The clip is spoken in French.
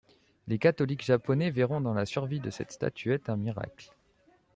Les catholiques japonais verront dans la survie de cette statuette un miracle.